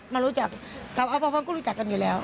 มารู้จักพ่อก็รู้จักกันอยู่แล้ว